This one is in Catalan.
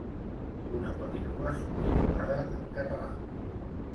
Una pel·lícula subtitulada en català.